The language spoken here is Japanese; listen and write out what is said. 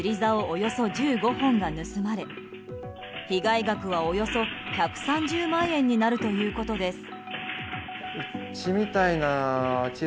およそ１５本が盗まれ被害額はおよそ１３０万円になるということです。